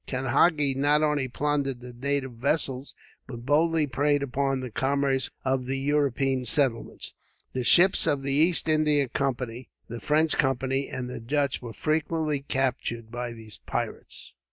Kanhagi not only plundered the native vessels, but boldly preyed upon the commerce of the European settlements. The ships of the East India Company, the French Company, and the Dutch were frequently captured by these pirates.